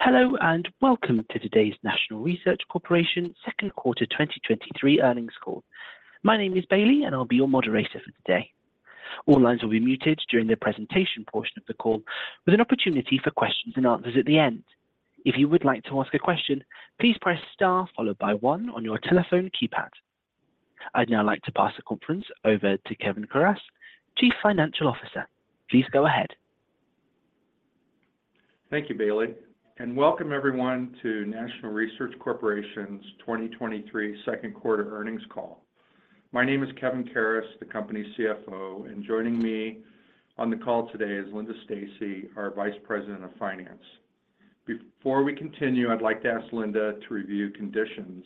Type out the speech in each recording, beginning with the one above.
Hello, welcome to today's National Research Corporation Q2 2023 earnings call. My name is Bailey, and I'll be your moderator for today. All lines will be muted during the presentation portion of the call, with an opportunity for questions and answers at the end. If you would like to ask a question, please press star followed by one on your telephone keypad. I'd now like to pass the conference over to Kevin Karas, Chief Financial Officer. Please go ahead. Thank you, Bailey, and welcome everyone to National Research Corporation's 2023 Q2 earnings call. My name is Kevin Karas, the company's CFO, and joining me on the call today is Linda Stacy, our Vice President of Finance. Before we continue, I'd like to ask Linda to review conditions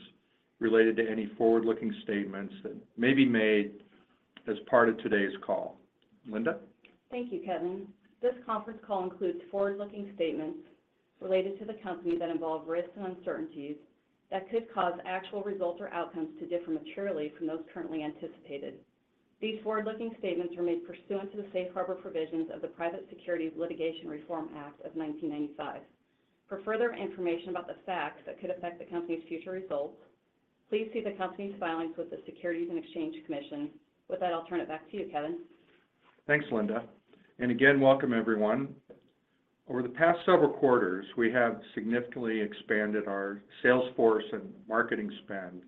related to any forward-looking statements that may be made as part of today's call. Linda? Thank you, Kevin. This conference call includes forward-looking statements related to the company that involve risks and uncertainties that could cause actual results or outcomes to differ materially from those currently anticipated. These forward-looking statements are made pursuant to the safe harbor provisions of the Private Securities Litigation Reform Act of 1995. For further information about the facts that could affect the company's future results, please see the company's filings with the Securities and Exchange Commission. With that, I'll turn it back to you, Kevin. Thanks, Linda, and again, welcome everyone. Over the past several quarters, we have significantly expanded our sales force and marketing spend,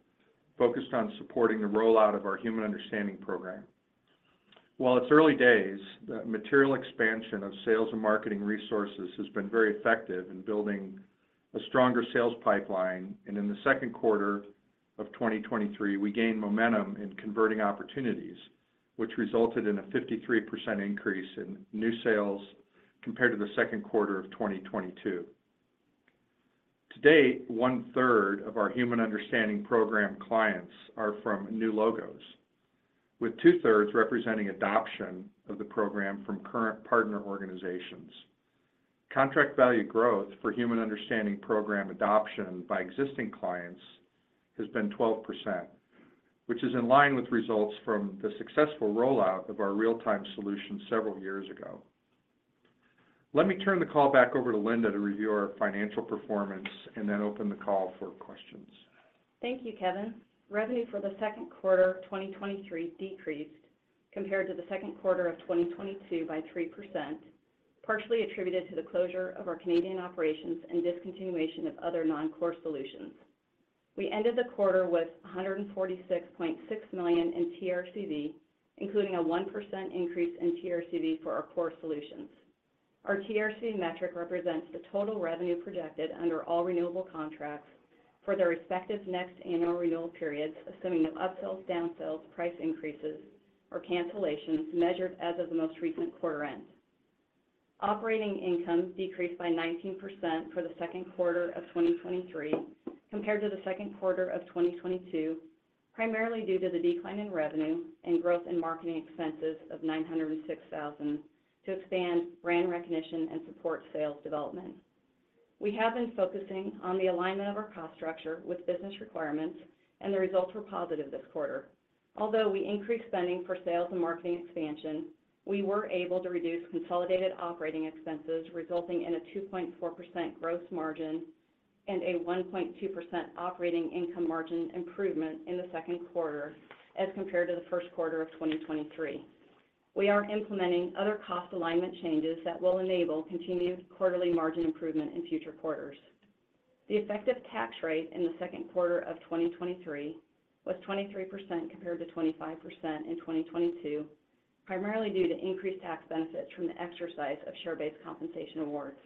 focused on supporting the rollout of our Human Understanding Program. While it's early days, the material expansion of sales and marketing resources has been very effective in building a stronger sales pipeline. In the Q2 of 2023, we gained momentum in converting opportunities, which resulted in a 53% increase in new sales compared to the Q2 of 2022. To date, one-third of our Human Understanding Program clients are from new logos, with two-thirds representing adoption of the program from current partner organizations. Contract value growth for Human Understanding Program adoption by existing clients has been 12%, which is in line with results from the successful rollout of our real-time solution several years ago. Let me turn the call back over to Linda to review our financial performance and then open the call for questions. Thank you, Kevin. Revenue for the Q2 of 2023 decreased compared to the Q2 of 2022 by 3%, partially attributed to the closure of our Canadian operations and discontinuation of other non-core solutions. We ended the quarter with $146.6 million in TRCV, including a 1% increase in TRCV for our core solutions. Our TRCV metric represents the total revenue projected under all renewable contracts for their respective next annual renewal periods, assuming no upsells, downsells, price increases, or cancellations, measured as of the most recent quarter end. Operating income decreased by 19% for the Q2 of 2023, compared to the Q2 of 2022, primarily due to the decline in revenue and growth in marketing expenses of $906,000 to expand brand recognition and support sales development. We have been focusing on the alignment of our cost structure with business requirements, the results were positive this quarter. Although we increased spending for sales and marketing expansion, we were able to reduce consolidated operating expenses, resulting in a 2.4% gross margin and a 1.2% operating income margin improvement in the Q2 as compared to the first quarter of 2023. We are implementing other cost alignment changes that will enable continued quarterly margin improvement in future quarters. The effective tax rate in the Q2 of 2023 was 23%, compared to 25% in 2022, primarily due to increased tax benefits from the exercise of share-based compensation awards.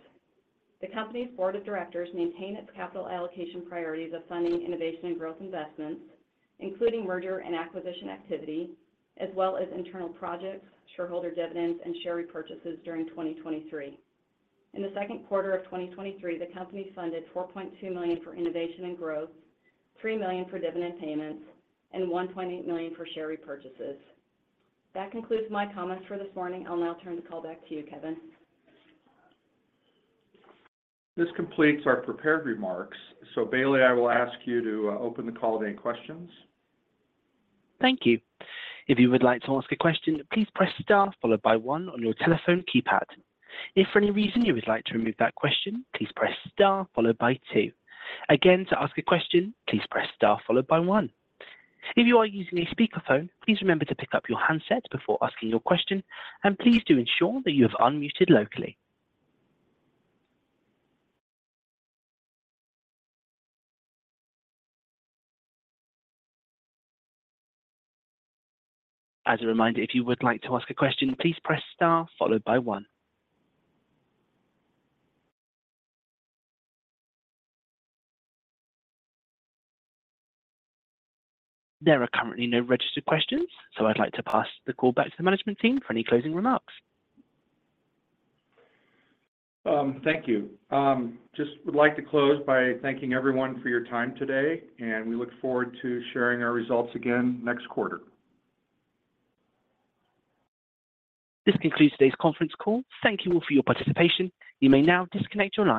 The company's board of directors maintain its capital allocation priorities of funding innovation and growth investments, including merger and acquisition activity, as well as internal projects, shareholder dividends, and share repurchases during 2023. In the Q2 of 2023, the company funded $4.2 million for innovation and growth, $3 million for dividend payments, and $1.8 million for share repurchases. That concludes my comments for this morning. I'll now turn the call back to you, Kevin. This completes our prepared remarks. Bailey, I will ask you to open the call to any questions. Thank you. If you would like to ask a question, please press star followed by one on your telephone keypad. If for any reason you would like to remove that question, please press star followed by two. Again, to ask a question, please press star followed by one. If you are using a speakerphone, please remember to pick up your handset before asking your question, and please do ensure that you have unmuted locally. As a reminder, if you would like to ask a question, please press star followed by one. There are currently no registered questions, I'd like to pass the call back to the management team for any closing remarks. Thank you. Just would like to close by thanking everyone for your time today, and we look forward to sharing our results again next quarter. This concludes today's conference call. Thank you all for your participation. You may now disconnect your lines.